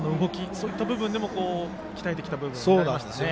そういった部分でも鍛えてきた部分が見られましたね。